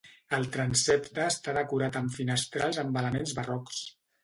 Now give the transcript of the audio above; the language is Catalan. El transsepte està decorat amb finestrals amb elements barrocs.